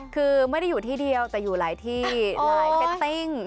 คือไม่ได้อยู่ที่เดียวแต่อยู่หลายที่หลายเฟตติ้ง